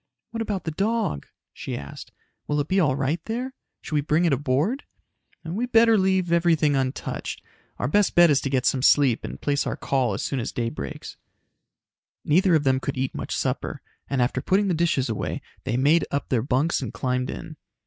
"What about the dog?" she asked. "Will it be all right there? Should we bring it aboard?" "We better leave everything untouched. Our best bet is to get some sleep and place our call as soon as day breaks." Neither of them could eat much supper and after putting the dishes away, they made up their bunks and climbed in.